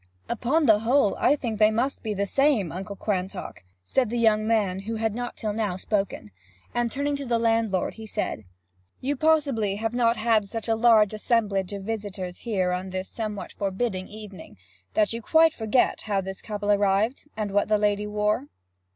'Upon the whole, I think they must be the same, Uncle Quantock,' said the young man, who had not till now spoken. And turning to the landlord: 'You possibly have not such a large assemblage of visitors here, on this somewhat forbidding evening, that you quite forget how this couple arrived, and what the lady wore?'